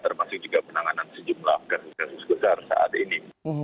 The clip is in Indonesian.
termasuk juga penanganan sejumlah kasus kasus besar saat ini